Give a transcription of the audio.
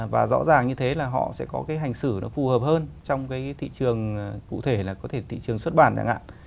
và rõ ràng như thế là họ sẽ có cái hành xử nó phù hợp hơn trong cái thị trường cụ thể là có thể thị trường xuất bản chẳng hạn